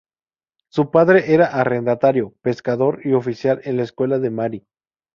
Su padre era arrendatario, pescador y oficial en la escuela de Mary.